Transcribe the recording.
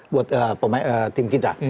buat tim kita